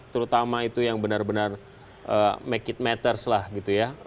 terutama itu yang benar benar make it matters lah gitu ya